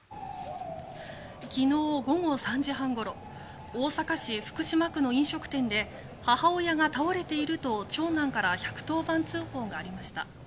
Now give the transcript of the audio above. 昨日午後３時半ごろ大阪市福島区の飲食店で母親が倒れていると、長男から１１０番通報がありました。